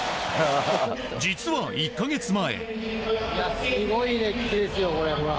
実は、１か月前。